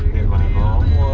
để mà nó mua